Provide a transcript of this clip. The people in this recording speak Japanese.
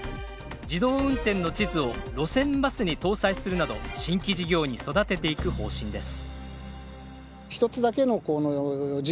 自動運転の地図を路線バスに搭載するなど新規事業に育てていく方針です